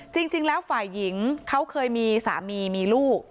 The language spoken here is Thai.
จริงแล้วฝ่ายหญิงเขาเคยมีสามีมีลูก